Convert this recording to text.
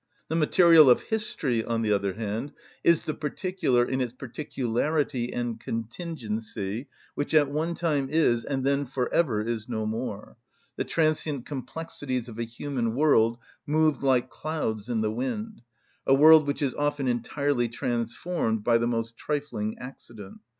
The material of history, on the other hand, is the particular in its particularity and contingency, which at one time is, and then for ever is no more, the transient complexities of a human world moved like clouds in the wind, a world which is often entirely transformed by the most trifling accident.